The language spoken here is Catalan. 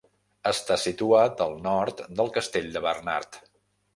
Està situat al nord del castell de Barnard.